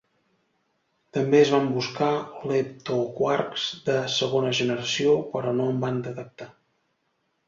També es van buscar leptoquarks de segona generació, però no en van detectar.